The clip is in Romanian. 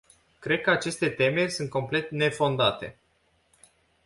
Cred că aceste temeri sunt complet nefondate.